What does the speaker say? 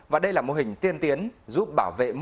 và đây là mô hình tiên tiến giúp bảo vệ